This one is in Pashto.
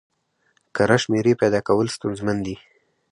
کره شمېرې پیدا کول ستونزمن دي.